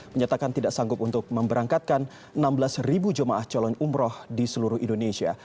menyatakan tidak sanggup untuk memberangkatkan enam belas jemaah calon umroh di seluruh indonesia